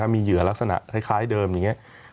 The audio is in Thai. มีเหยื่อลักษณะคล้ายเดิมอย่างนี้